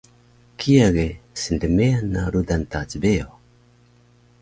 Kiya ge snlmeyan na rudan ta cbeyo